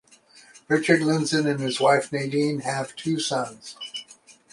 Richard Lindzen and his wife, Nadine, have two sons.